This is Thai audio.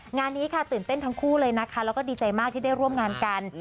งานนี้ค่ะตื่นเต้นทั้งคู่เลยนะคะแล้วก็ดีใจมากที่ได้ร่วมงานกัน